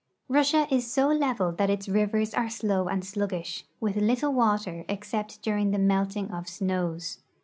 Russia is so level that its rivers are slow and sluggish, with little water except during the melting of snows.